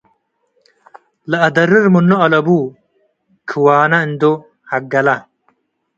ለአደርር ምኑ አለቡ - ክዋና እንዶ ዐገላ